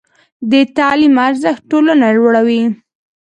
د تعلیم ارزښت ټولنه لوړوي.